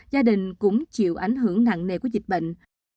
gia đình cũng chịu ảnh hưởng nặng nề của dịch bệnh